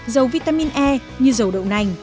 giàu vitamin e như dầu đậu nành